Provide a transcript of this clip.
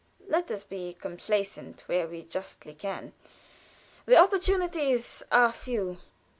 Let us be complacent where we justly can. The opportunities are few.